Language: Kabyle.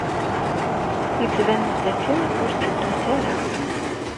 Yettban-d dakken ur tteddunt ara.